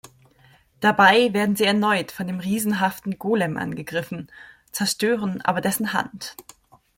Dabei werden sie erneut von dem riesenhaften Golem angegriffen, zerstören aber dessen Hand.